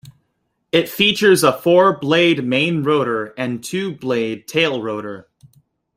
It features a four-blade main rotor and two-blade tail rotor.